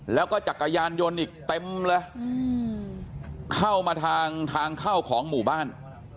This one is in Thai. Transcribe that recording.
แล้วก็จักรยานยนต์อีกเต็มเลยเข้ามาทางทางเข้าของหมู่บ้าน